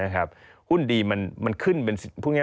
หุ้นดีมันขึ้น